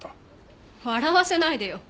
笑わせないでよ。